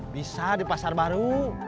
bisa di pasar baru